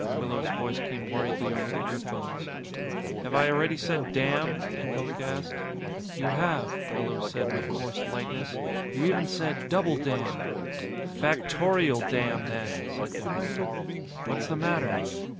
Willows' voice came worriedly over the earphones. "Have I already said 'damn'?" de Hooch asked. "You have," Willows said with forced lightness. "You even said 'double damn'." "Factorial damn, then!" said de Hooch. "What's the matter?"